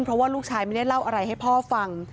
เพราะว่าลูกชายไม่ได้เล่าอะไรให้พ่อฟัง